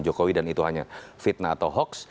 jokowi dan itu hanya fitnah atau hoax